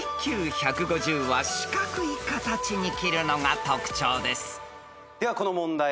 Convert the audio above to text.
［ＩＱ１５０は四角い形に切るのが特徴です］ではこの問題